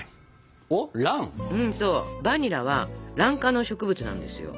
そうバニラはラン科の植物なんですよ。